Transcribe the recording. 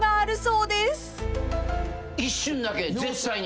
一瞬だけ絶対に。